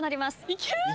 いける！？